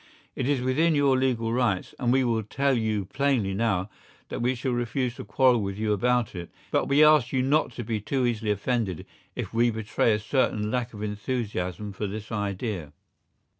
It is within your legal rights, and we will tell you plainly now that we shall refuse to quarrel with you about it, but we ask you not to be too easily offended if we betray a certain lack of enthusiasm for this idea.